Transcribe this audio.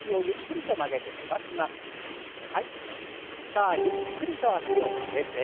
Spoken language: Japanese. さあゆっくりと脚を曲げて。